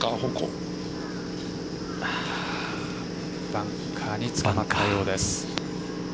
バンカーにつかまったようです。